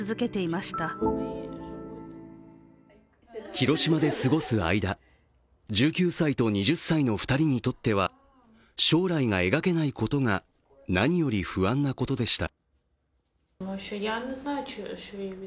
広島で過ごす間、１９歳と２０歳の２人にとっては将来が描けないことが何より不安なことでした。